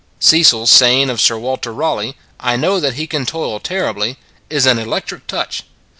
Cecil s saying of Sir Walter Raleigh, I know that he can toil terribly, is an electric touch.